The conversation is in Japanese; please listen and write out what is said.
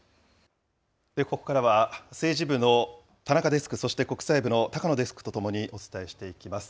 ここからは、政治部の田中デスク、そして国際部の高野デスクと共にお伝えしていきます。